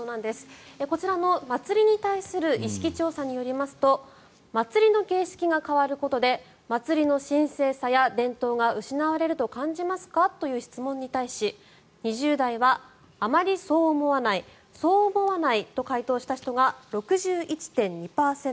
こちらの、祭りに対する意識調査によりますと祭りの形式が変わることで祭りの神聖さや伝統が失われると感じますかという質問に対し２０代は、あまりそう思わないそう思わないと回答した人が６１．２％。